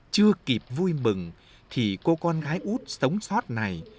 chưa kịp vui mừng thì cô con gái út sống sót này